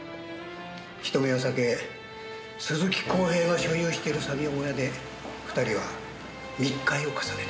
人目を避け鈴木恒平が所有している作業小屋で２人は密会を重ねていました。